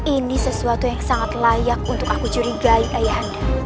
ini sesuatu yang sangat layak untuk aku curigai ayanda